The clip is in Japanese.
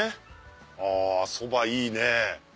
あそばいいね。